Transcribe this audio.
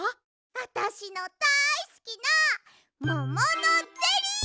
あたしのだいすきなもものゼリー！